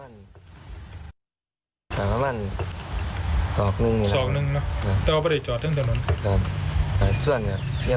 ลดจริงครับเป็นยังไหนลักษณะมากกว่ามัน